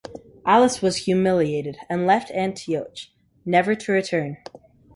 Alice was humiliated and left Antioch, never to return.